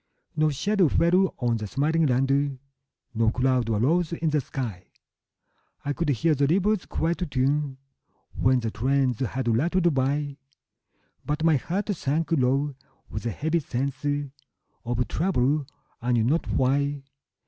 No shadow fell on the smiling land, No cloud arose in the sky; I could hear the river's quiet tune When the trains had rattled by; But my heart sank low with a heavy sense Of trouble, I knew not why.